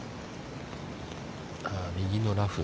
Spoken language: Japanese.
右のラフ。